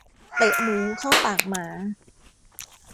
เตะหมูเข้าปากหมา